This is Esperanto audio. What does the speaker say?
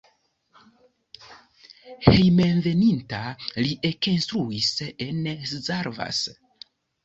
Hejmenveninta li ekinstruis en Szarvas.